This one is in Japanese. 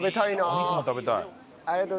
お肉も食べたい。